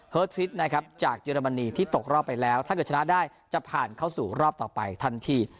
ทริดนะครับจากเยอรมนีที่ตกรอบไปแล้วถ้าเกิดชนะได้จะผ่านเข้าสู่รอบต่อไปทันที